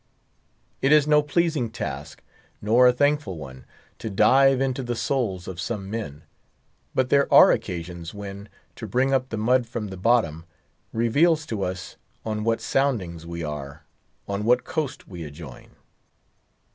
It is no pleasing task, nor a thankful one, to dive into the souls of some men; but there are occasions when, to bring up the mud from the bottom, reveals to us on what soundings we are, on what coast we adjoin.